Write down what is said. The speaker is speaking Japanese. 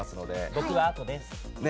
僕はあとです。